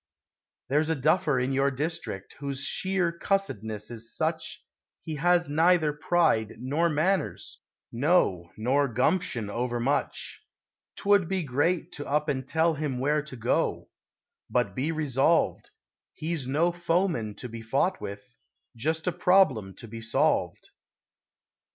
There's a duffer in your district Whose sheer cussedness is such He has neither pride nor manners No, nor gumption, overmuch. 'Twould be great to up and tell him Where to go. But be resolved He's no foeman to be fought with, Just a problem to be solved.